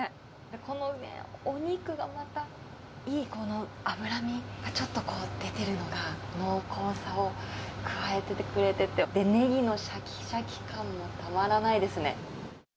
このお肉がまた、いい、この脂身がちょっとこう、出ているのが、濃厚さを加えててくれてて、ネギのしゃきしゃき感もたまらないですね。